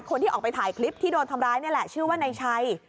คนที่ออกไปถ่ายคลิปที่โดนทำร้ายนี่แหละชื่อว่านายชัย